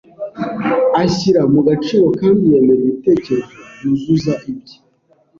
ashyira mu gaciro kandi yemera ibitekerezo byuzuza ibye.